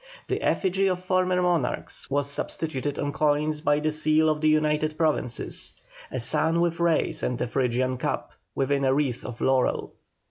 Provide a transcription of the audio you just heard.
The effigy of former monarchs was substituted on coins by the seal of the United Provinces a sun with rays and a Phrygian cap, within a wreath of laurel.